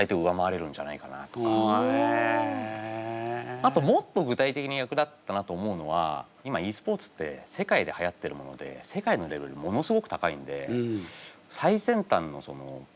あともっと具体的に役立ったなと思うのは今ｅスポーツって世界ではやってるものでくやしいんですけど。